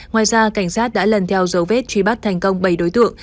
ngoài ra cảnh sát đã lần theo dấu vết truy bắt thành công bảy đối tượng